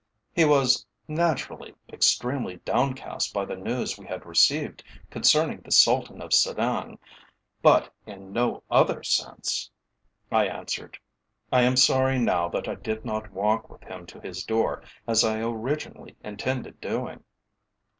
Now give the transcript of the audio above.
"He was naturally extremely downcast by the news we had received concerning the Sultan of Sedang, but in no other sense," I answered. "I am sorry now that I did not walk with him to his door as I originally intended doing."